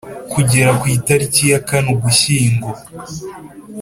kugera ku italiki ya Kane Ugushyingo